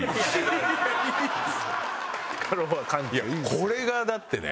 これがだってね